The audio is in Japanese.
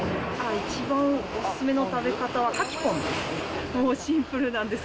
一番お勧め食べ方はカキポンですね。